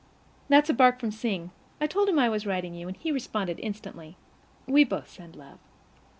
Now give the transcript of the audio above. That's a bark from Sing. I told him I was writing to you, and he responded instantly. We both send love.